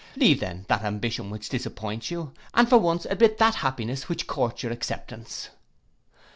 Leave then that ambition which disappoints you, and for once admit that happiness which courts your acceptance.